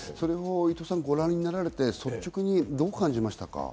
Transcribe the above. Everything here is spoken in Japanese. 伊藤さん、ご覧になられて、率直にどう感じましたか？